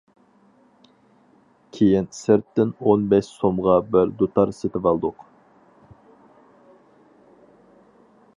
كېيىن سىرتتىن ئون بەش سومغا بىر دۇتار سېتىۋالدۇق.